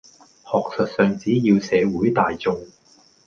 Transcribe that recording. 學術上只要社會大眾